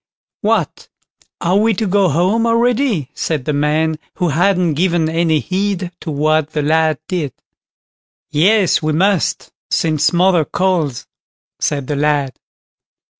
"What! are we to go home already?" said the man, who hadn't given any heed to what the lad did. "Yes, we must, since mother calls", said the lad.